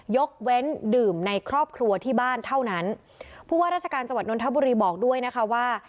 ยกเว้นดื่มในครอบครัวที่บ้านเท่านั้นผู้ว่าราชการจังหวัดนทบุรีบอกด้วยนะคะว่า